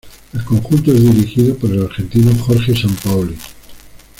El conjunto es dirigido por el argentino Jorge Sampaoli.